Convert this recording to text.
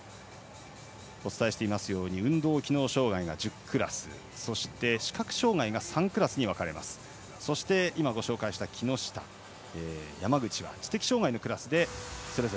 お伝えしていますように運動機能障がいが１０クラスそして視覚障がいが３クラスに分かれます。